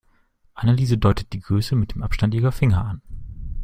Anneliese deutet die Größe mit dem Abstand ihrer Finger an.